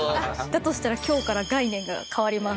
だとしたら今日から概念が変わります。